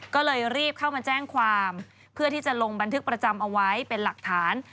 ก็เลยรีบเข้ามาแจ้งความเพื่อที่จะลงบันทึกประจำเอาไว้เป็นหลักฐาน